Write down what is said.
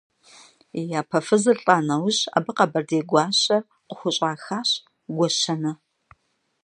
И япэ фызыр лӀа нэужь, абы къэбэрдей гуащэр къыхущӀахащ – Гуащэнэ.